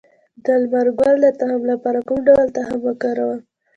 د لمر ګل د تخم لپاره کوم ډول تخم وکاروم؟